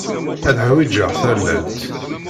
Ad ḥwijeɣ tallalt.